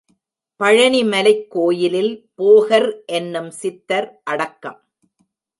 பழநி மலைக் கோயிலில் போகர் என்னும் சித்தர் அடக்கம்.